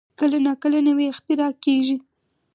کله نا کله نوې اختراع کېږي.